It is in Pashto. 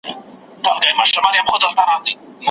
هر انسان د کرامت خاوند دی.